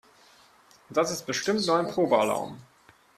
Das ist bestimmt nur ein Probealarm.